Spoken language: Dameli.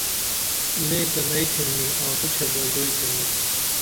لے تہ لئیتھین نی آں اُچھہ بہ ژوئی تھین نی